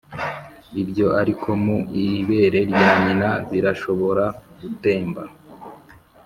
ibyo ariko mu ibere rya nyina birashobora gutemba;